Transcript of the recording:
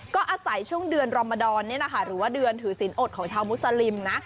ก็อาศัยช่วงเดือนรมดรหรือว่าเดือนถือสินอดของชาวมุสลิมนะ